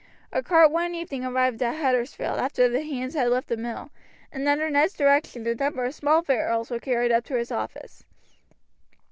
A cart one evening arrived from Huddersfield after the hands had left the mill, and under Ned's direction a number of small barrels were carried up to his office.